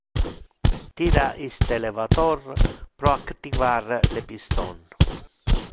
Tira iste levator pro activar le piston.